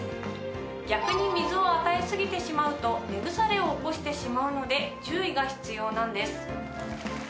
逆に水を与え過ぎてしまうと根腐れを起こしてしまうので注意が必要なんです。